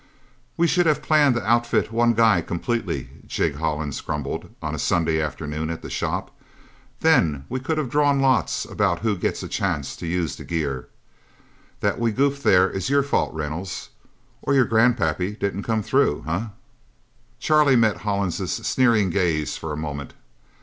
"We should have planned to outfit one guy completely," Jig Hollins grumbled on a Sunday afternoon at the shop. "Then we could have drawn lots about who gets a chance to use the gear. That we goofed there is your fault, Reynolds. Or your Grandpappy didn't come through, huh?" Charlie met Hollins' sneering gaze for a moment.